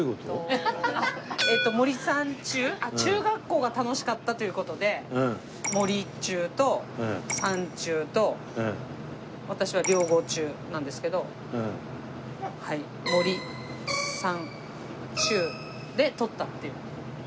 えっと森三中中学校が楽しかったという事で森中と三中と私は両郷中なんですけど「森」「三」「中」で取ったっていう。